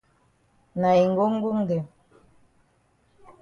Na yi ngongngong dem.